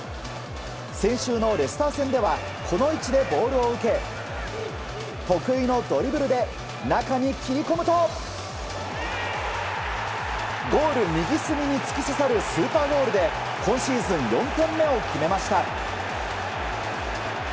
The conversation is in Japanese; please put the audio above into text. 先週のレスター戦ではこの位置でボールを受け得意のドリブルで中に切り込むとゴール右隅に突き刺さるスーパーゴールで今シーズン４点目を決めました。